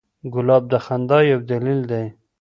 ګلاب د خندا یو دلیل دی.